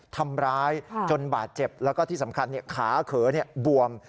ทำร้ายจนบาดเจ็บแล้วก็ที่สำคัญขาเขอบวม